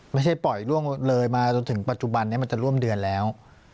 ไม่ใช่ปล่อยล่วงเลยมาจนถึงปัจจุบันนี้มันจะร่วมเดือนแล้ว